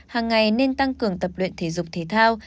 hàng ngày nên tăng cường tập luyện thể dục thể thao